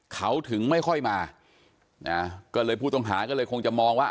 เขาถึงไม่ค่อยมานะก็เลยผู้ต้องหาก็เลยคงจะมองว่า